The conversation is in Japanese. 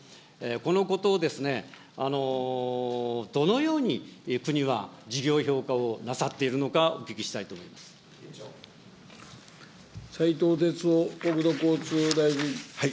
このことをですね、どのように国は事業評価をなさっているのかお聞きしたいと思いま斉藤鉄夫国土交通大臣。